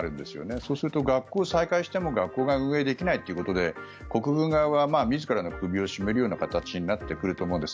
そうすると学校を再開しても学校が運営できないということで国軍側は自らの首を絞めるような形になってくると思うんです。